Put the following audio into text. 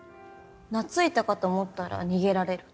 懐いたかと思ったら逃げられる。